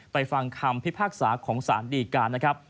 ฟังคำพิพากษาของสารดีการนะครับ